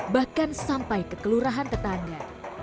bahkan sampai ke kelurahan tetangga